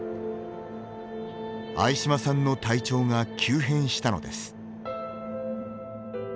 相嶋さんの体調が急変したのです。